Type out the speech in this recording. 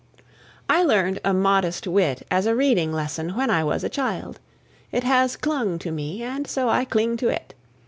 I learned "A Modest Wit" as a reading lesson when I was a child. It has clung to me and so I cling to it.